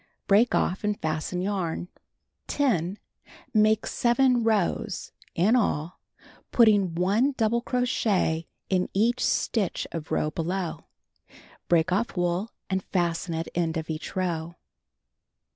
Break off and fasten yarn. 10. Make 7 rows (in all) putting 1 double crochet in each stitch of row below. Break off wool and fasten at end of each row.